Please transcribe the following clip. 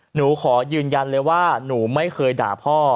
หนูขอยืนยันเลยว่าหนูไม่เคยด่าพ่อ